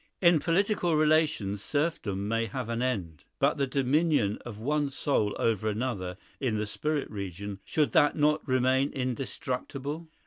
In political relations serfdom may have an end; but the dominion of one soul over another in the spirit region—should that not remain indestructible?"